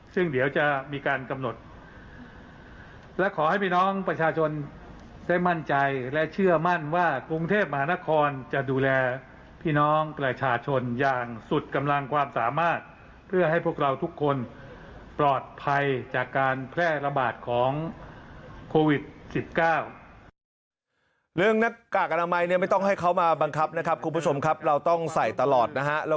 และขอให้พี่น้องประชาชนใส่มั่นใจและเชื่อมั่นว่ากรุงเทพฯมหานครจะดูแลพี่น้องประชาชนอย่างสุดกำลังความสามารถเพื่อให้พวกเราทุกคนปลอดภัยจากการแพร่ระบาดของโควิด๑๙